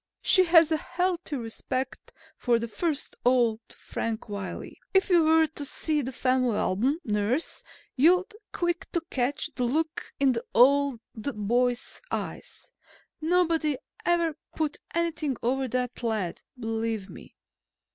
"She has a healthy respect for the first old Frank Wiley. If you were to see the family album, nurse, you'd be quick to catch the look in the old boy's eyes. Nobody ever put anything over on that lad, believe me."